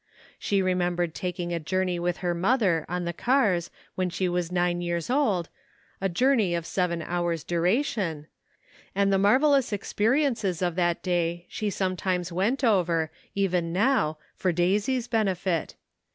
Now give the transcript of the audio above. She remembered taking a journey with her mother on the cars when she was nine years old — a journey of seven hours' duration — and the marvelous experiences of that day she sometimes went over, even now, for Daisy's benefit.